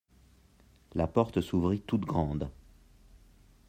La porte s'ouvrit toute grande.